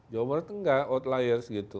jawa barat itu tidak outlier gitu